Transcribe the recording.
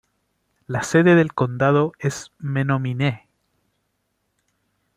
La sede del condado es Menominee.